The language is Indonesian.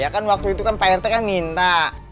ya kan waktu itu kan pak rt kan minta